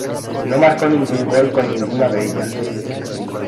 No marcó ningún gol con ninguna de ellas.